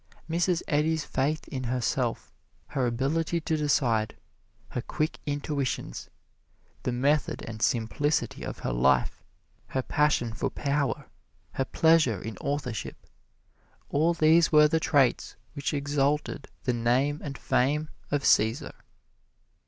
Mrs. Eddy's faith in herself, her ability to decide, her quick intuitions, the method and simplicity of her life, her passion for power, her pleasure in authorship all these were the traits which exalted the name and fame of Cæsar.